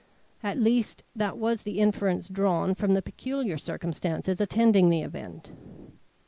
At least, that was the inference drawn from the peculiar circumstances attending the event.